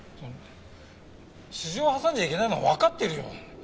私情を挟んじゃいけないのはわかってるよ。